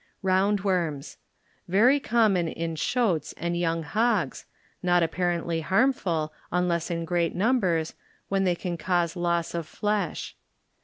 Round Worms. ŌĆö Very common m shotes and young hogs, not apparently harmful, unless in great numbers, when they cause loss of flesh.